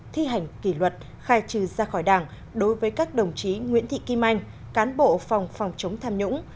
thi hành kỷ luật khai trừ ra khỏi đảng đối với các đồng chí nguyễn thị kim anh cán bộ phòng phòng chống tham nhũng